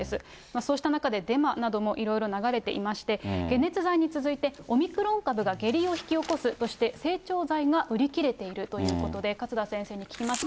そうした中で、デマなどもいろいろ流れていまして、解熱剤に続いて、オミクロン株が下痢を引き起こすとして、整腸剤が売り切れているということで、勝田先生に聞きました。